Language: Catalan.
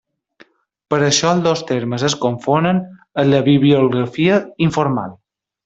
Per això els dos termes es confonen en la bibliografia informal.